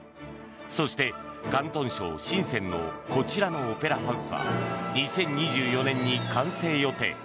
そして、広東省シンセンのこちらのオペラハウスは２０２４年に完成予定。